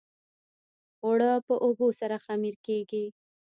اوړه په اوبو سره خمیر کېږي